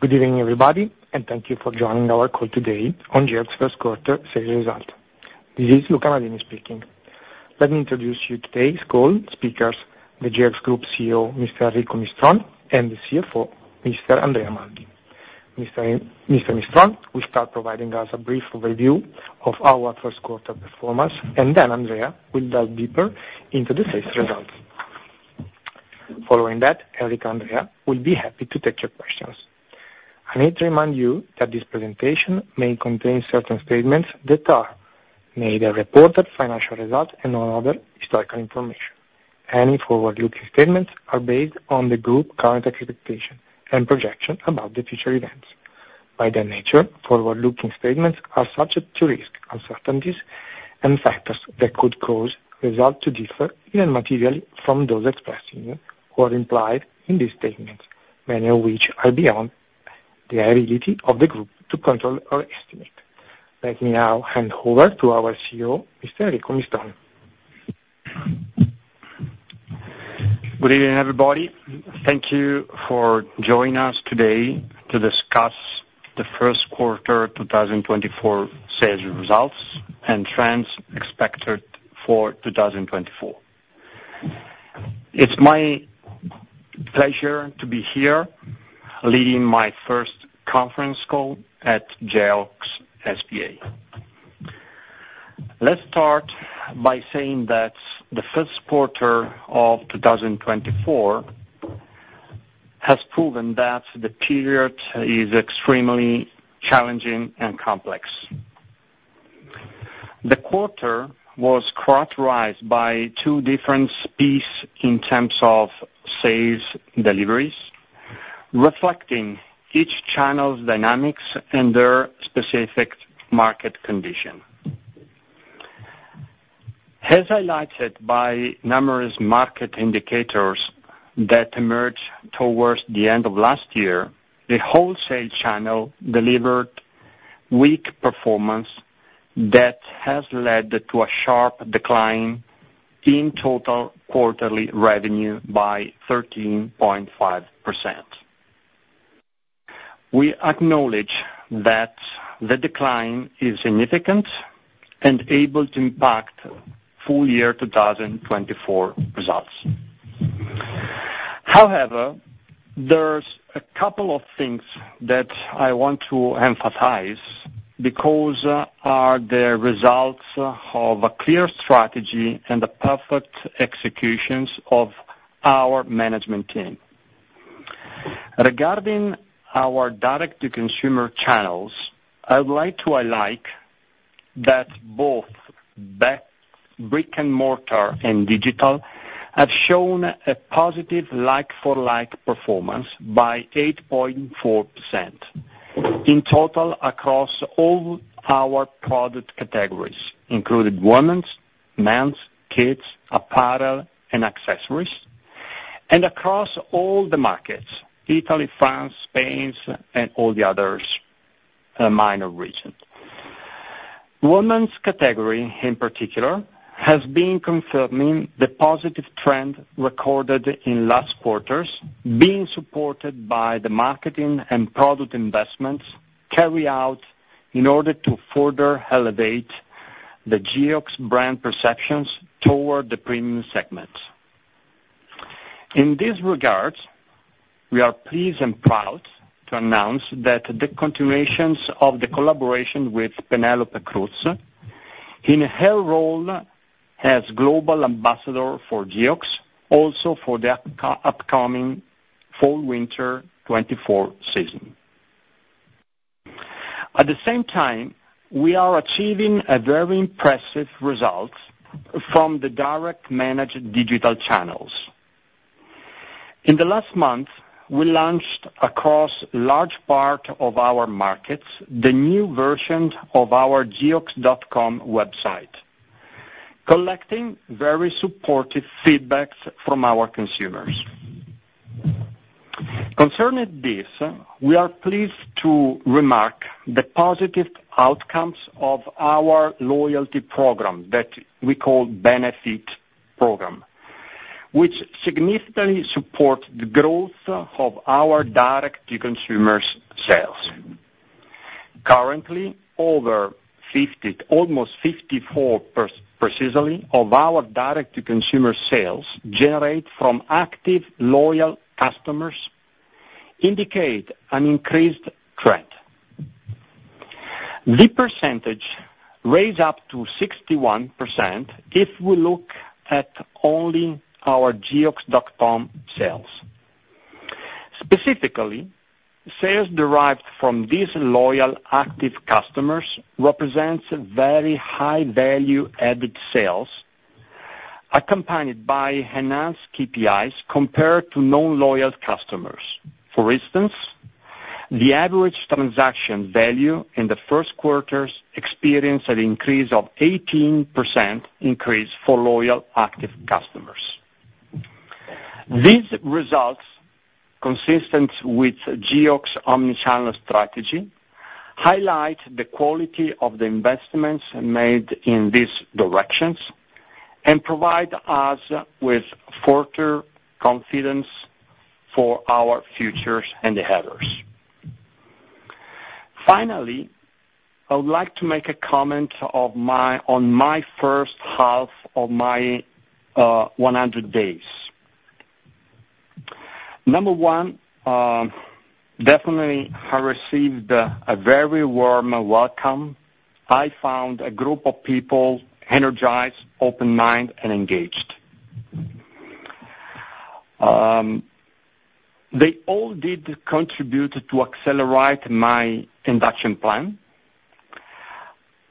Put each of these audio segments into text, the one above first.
Good evening, everybody, and thank you for joining our call today on Geox First Quarter Sales Result. This is Luca Amadini speaking. Let me introduce you to today's call speakers: the Geox Group CEO, Mr. Enrico Mistron, and the CFO, Mr. Andrea Maldi. Mr. Mistron will start providing us a brief overview of our first quarter performance, and then Andrea will delve deeper into the sales results. Following that, Enrico and Andrea will be happy to take your questions. I need to remind you that this presentation may contain certain statements that are made regarding reported financial results and other historical information. Any forward-looking statements are based on the group's current expectation and projection about the future events. By their nature, forward-looking statements are subject to risk, uncertainties, and factors that could cause results to differ even materially from those expressed in or implied in these statements, many of which are beyond the ability of the group to control or estimate. Let me now hand over to our CEO, Mr. Enrico Mistron. Good evening, everybody. Thank you for joining us today to discuss the first quarter 2024 sales results and trends expected for 2024. It's my pleasure to be here leading my first conference call at Geox S.p.A. Let's start by saying that the first quarter of 2024 has proven that the period is extremely challenging and complex. The quarter was characterized by two different spheres in terms of sales deliveries, reflecting each channel's dynamics and their specific market condition. As highlighted by numerous market indicators that emerged towards the end of last year, the wholesale channel delivered weak performance that has led to a sharp decline in total quarterly revenue by 13.5%. We acknowledge that the decline is significant and able to impact full-year 2024 results. However, there's a couple of things that I want to emphasize because they are the results of a clear strategy and the perfect executions of our management team. Regarding our direct-to-consumer channels, I would like to highlight that both brick-and-mortar and digital have shown a positive like-for-like performance by 8.4% in total across all our product categories, including women, men, kids, apparel, and accessories, and across all the markets: Italy, France, Spain, and all the other minor regions. Women's category, in particular, has been confirming the positive trend recorded in last quarters, being supported by the marketing and product investments carried out in order to further elevate the Geox brand perceptions toward the premium segments. In this regard, we are pleased and proud to announce that the continuations of the collaboration with Penélope Cruz in her role as global ambassador for Geox, also for the upcoming fall-winter 2024 season. At the same time, we are achieving very impressive results from the direct-managed digital channels. In the last month, we launched across a large part of our markets the new version of our geox.com website, collecting very supportive feedback from our consumers. Concerning this, we are pleased to remark the positive outcomes of our loyalty program that we call Benefeet, which significantly supports the growth of our direct-to-consumer sales. Currently, over 50, almost 54% precisely, of our direct-to-consumer sales generated from active loyal customers indicate an increased trend. The percentage raised up to 61% if we look at only our geox.com sales. Specifically, sales derived from these loyal active customers represent very high-value added sales, accompanied by enhanced KPIs compared to non-loyal customers. For instance, the average transaction value in the first quarters experienced an increase of 18% for loyal active customers. These results, consistent with Geox's omnichannel strategy, highlight the quality of the investments made in these directions and provide us with further confidence for our future endeavors. Finally, I would like to make a comment on my first half of my 100 days. Number one, definitely I received a very warm welcome. I found a group of people energized, open-minded, and engaged. They all did contribute to accelerate my induction plan.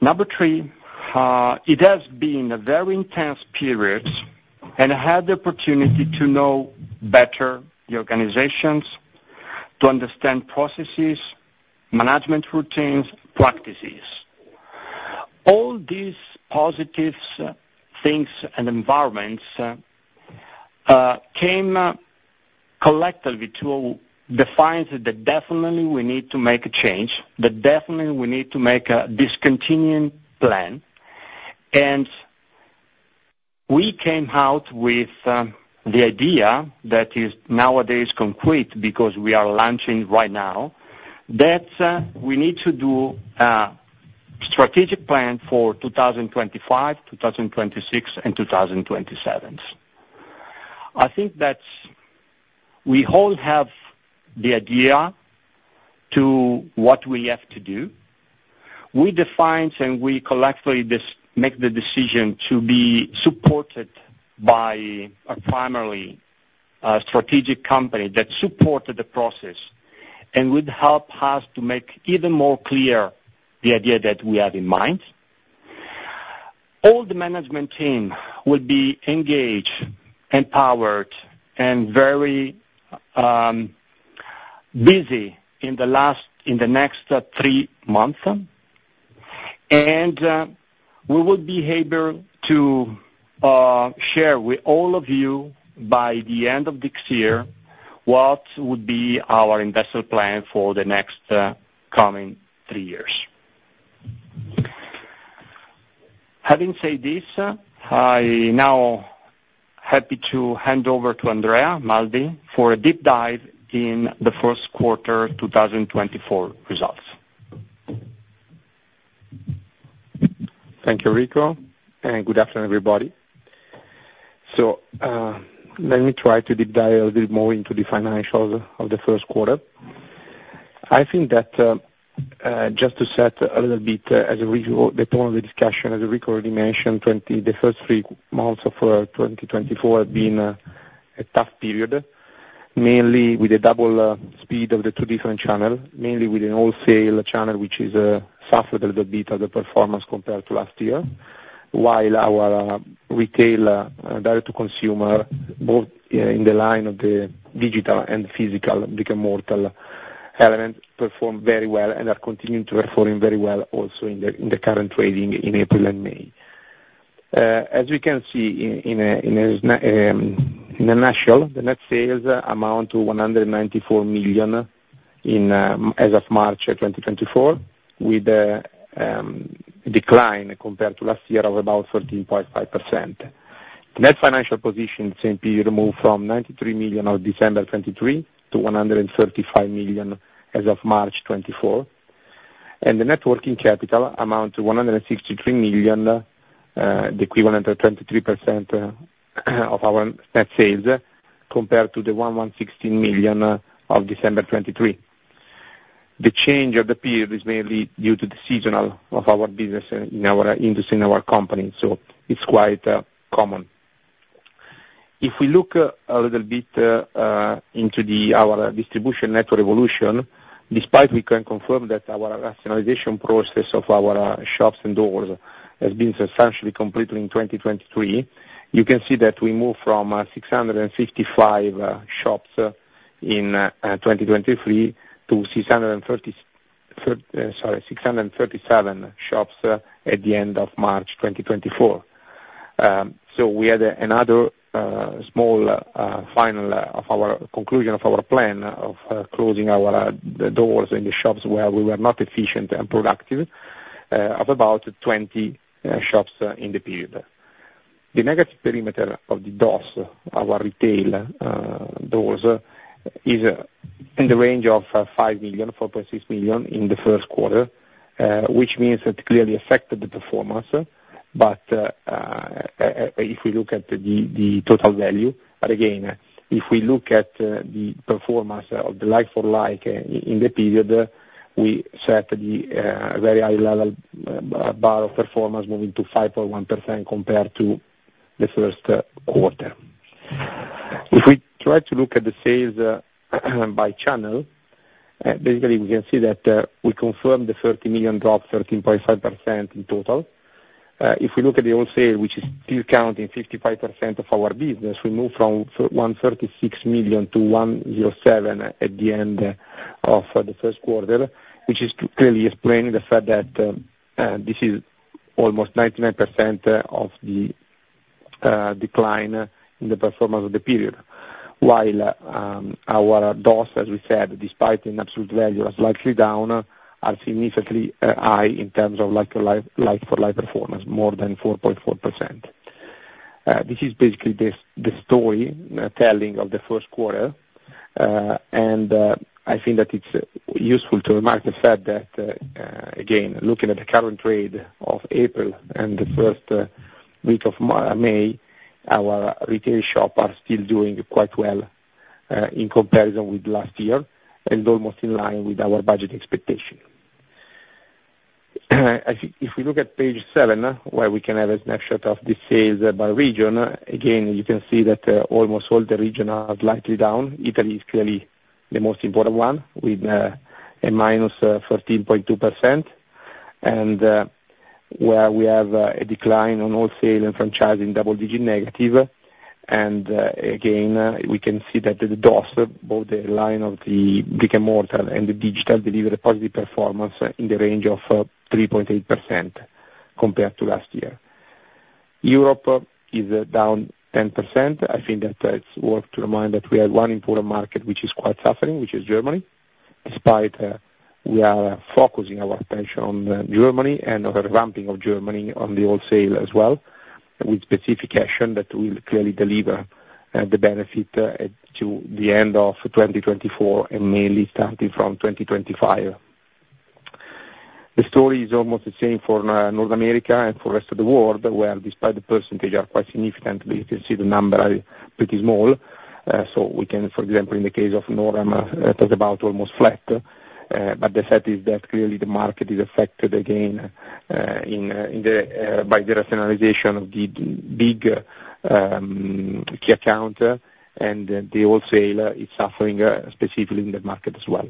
Number three, it has been a very intense period, and I had the opportunity to know better the organizations, to understand processes, management routines, practices. All these positive things and environments came collectively to define that definitely we need to make a change, that definitely we need to make a discontinuing plan. We came out with the idea that is nowadays concrete because we are launching right now, that we need to do a strategic plan for 2025, 2026, and 2027. I think that we all have the idea to what we have to do. We defined and we collectively make the decision to be supported by a primarily strategic company that supported the process and would help us to make even more clear the idea that we have in mind. All the management team will be engaged, empowered, and very busy in the next three months. And we will be able to share with all of you by the end of this year what would be our investment plan for the next coming three years. Having said this, I'm now happy to hand over to Andrea Maldi for a deep dive in the first quarter 2024 results. Thank you, Enrico, and good afternoon, everybody. Let me try to deep dive a little bit more into the financials of the first quarter. I think that just to set a little bit as a recall the tone of the discussion, as Enrico already mentioned, the first three months of 2024 have been a tough period, mainly with the double speed of the two different channels, mainly with a wholesale channel which suffered a little bit of the performance compared to last year, while our retail direct-to-consumer, both in the line of the digital and physical brick-and-mortar element, performed very well and are continuing to perform very well also in the current trading in April and May. As we can see in a nutshell, the net sales amount to 194 million as of March 2024, with a decline compared to last year of about 13.5%. The net financial position, same period, moved from 93 million of December 2023 to 135 million as of March 2024, and the net working capital amount to 163 million, the equivalent of 23% of our net sales compared to the 116 million of December 2023. The change of the period is mainly due to the seasonality of our business in our industry, in our company, so it's quite common. If we look a little bit into our distribution network evolution, despite we can confirm that our rationalization process of our shops and doors has been substantially completed in 2023, you can see that we moved from 655 shops in 2023 to 637 shops at the end of March 2024. So we had another small final conclusion of our plan of closing our doors in the shops where we were not efficient and productive of about 20 shops in the period. The negative perimeter of the DOS, our retail doors, is in the range of 5 million, 4.6 million in the first quarter, which means it clearly affected the performance. But if we look at the total value, but again, if we look at the performance of the like-for-like in the period, we set the very high-level bar of performance moving to 5.1% compared to the first quarter. If we try to look at the sales by channel, basically we can see that we confirmed the 30 million drop, 13.5% in total. If we look at the wholesale, which is still counting 55% of our business, we moved from 136 million to 107 million at the end of the first quarter, which is clearly explaining the fact that this is almost 99% of the decline in the performance of the period, while our DOS, as we said, despite an absolute value that's likely down, are significantly high in terms of like-for-like performance, more than 4.4%. This is basically the storytelling of the first quarter. I think that it's useful to remark the fact that, again, looking at the current trade of April and the first week of May, our retail shops are still doing quite well in comparison with last year and almost in line with our budget expectation. If we look at Page 7, where we can have a snapshot of the sales by region, again, you can see that almost all the regions are slightly down. Italy is clearly the most important one with a -13.2%, and where we have a decline on wholesale and franchising double-digit negative. And again, we can see that the DOS, both the line of the brick-and-mortar and the digital delivered positive performance in the range of 3.8% compared to last year. Europe is down 10%. I think that it's worth to remind that we have one important market which is quite suffering, which is Germany, despite we are focusing our attention on Germany and a revamping of Germany on the wholesale as well, with specific action that will clearly deliver the benefit to the end of 2024 and mainly starting from 2025. The story is almost the same for North America and for the rest of the world, where despite the percentage being quite significant, you can see the number is pretty small. So we can, for example, in the case of NORAM, talk about almost flat. But the fact is that clearly the market is affected again by the rationalization of the big key account, and the wholesale is suffering specifically in the market as well.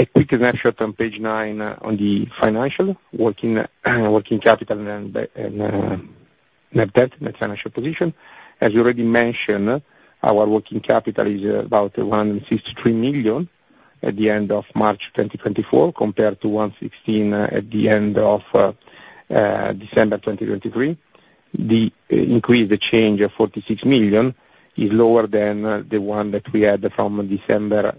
A quick snapshot on Page 9 on the financials, working capital and net debt, net financial position. As we already mentioned, our working capital is about 163 million at the end of March 2024 compared to 116 million at the end of December 2023. The increase, the change of 46 million, is lower than the one that we had from December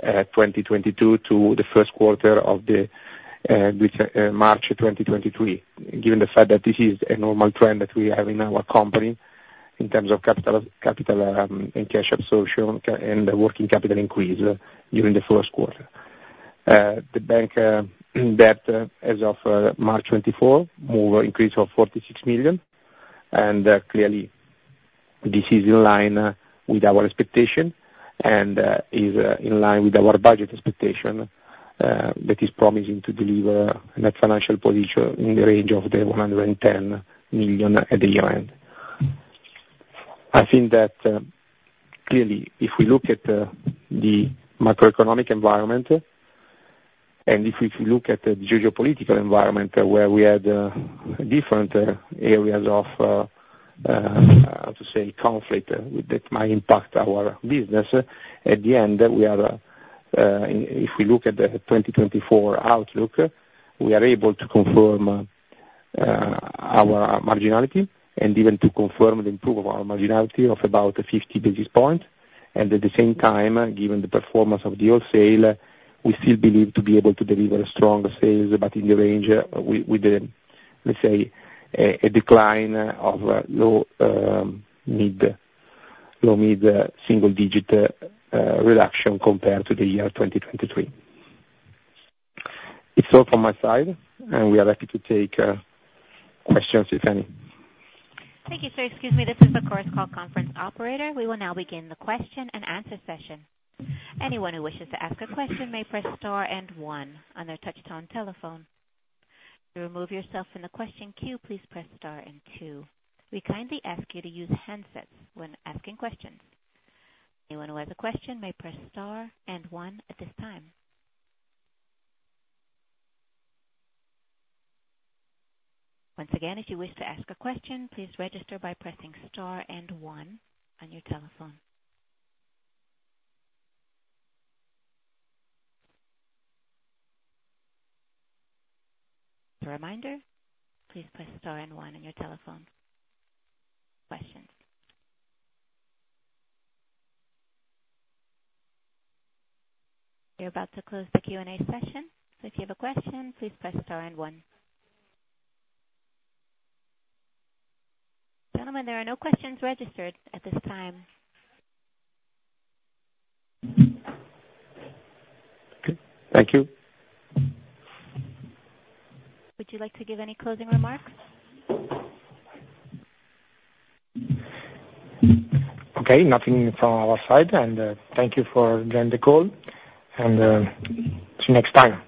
2022 to the first quarter of March 2023, given the fact that this is a normal trend that we have in our company in terms of capital and cash absorption and the working capital increase during the first quarter. The bank debt as of March 2024 increased of 46 million, and clearly this is in line with our expectation and is in line with our budget expectation that is promising to deliver a net financial position in the range of 110 million at the year-end. I think that clearly if we look at the macroeconomic environment and if we look at the geopolitical environment where we had different areas of, how to say, conflict that might impact our business, at the end we have if we look at the 2024 outlook, we are able to confirm our marginality and even to confirm the improvement of our marginality of about 50 basis points. At the same time, given the performance of the wholesale, we still believe to be able to deliver strong sales but in the range with, let's say, a decline of low mid single-digit reduction compared to the year 2023. It's all from my side, and we are happy to take questions if any. Thank you, sir. Excuse me. This is the Chorus Call conference operator. We will now begin the question and answer session. Anyone who wishes to ask a question may press star and one on their touch-tone telephone. To remove yourself from the question queue, please press star and two. We kindly ask you to use handsets when asking questions. Anyone who has a question may press star and one at this time. Once again, if you wish to ask a question, please register by pressing star and one on your telephone. As a reminder, please press star and one on your telephone. Questions? We're about to close the Q&A session, so if you have a question, please press star and one. Gentlemen, there are no questions registered at this time. Okay. Thank you. Would you like to give any closing remarks? Okay. Nothing from our side, and thank you for joining the call. See you next time.